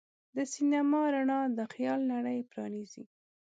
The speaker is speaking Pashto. د سینما رڼا د خیال نړۍ پرانیزي.